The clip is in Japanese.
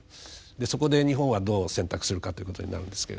そこで日本はどう選択するかということになるんですけれども。